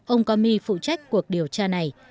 ông comey phụ trách cuộc điều tra này